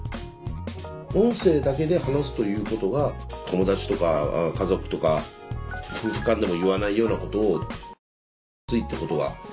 音声だけで話すということが友達とか家族とか夫婦間でも言わないようなことをしゃべりやすいってことがあるんだと思いますよね。